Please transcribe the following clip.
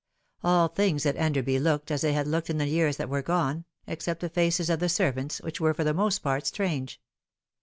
All things at Enderby looked as they had looked in the years that were gone, except the faces of the Bervants, which were for the most part strange.